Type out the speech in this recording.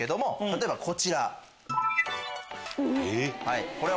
例えばこちら。